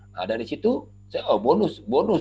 nah dari situ bonus bonus